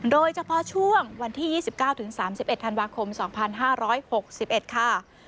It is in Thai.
โดยเฉพาะช่วงวันที่๒๙๓๑ธันวาคม๒๕๖๑ค่ะ